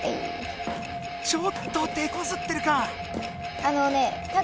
ちょっと手こずってるか？